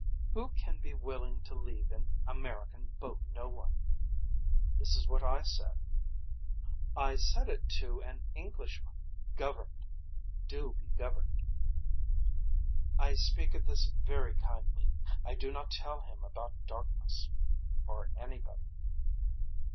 Who can be willing to leave an American boat. No one. This is what I said. I said it to an Englishman. Governed. Do be governed. I speak of this very kindly. I do not tell him about darkness. Or anybody.